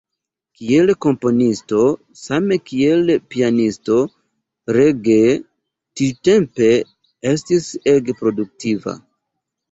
Kiel komponisto same kiel pianisto Reger tiutempe estis ege produktiva.